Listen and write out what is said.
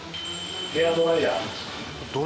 ヘアドライヤー。